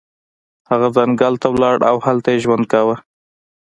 هغه ځنګل ته لاړ او هلته یې ژوند کاوه.